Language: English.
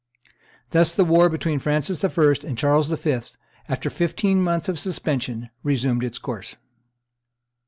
Thus the war between Francis I. and Charles V., after fifteen months' suspension, resumed its course.